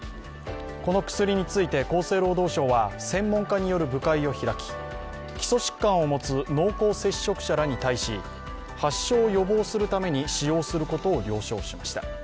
この薬について厚生労働省は専門家による部会を開き、基礎疾患を持つ濃厚接触者らに対し発症を予防するために使用することを了承しました。